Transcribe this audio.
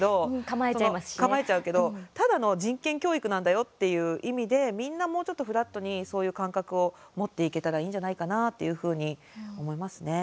構えちゃうけどただの人権教育なんだよっていう意味でみんな、もうちょっとフラットにそういう感覚を持っていけたらいいんじゃないかなというふうに思いますね。